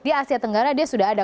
di asia tenggara dia sudah ada